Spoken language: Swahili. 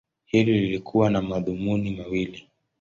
Hili lilikuwa na madhumuni mawili.